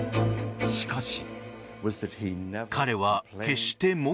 しかし。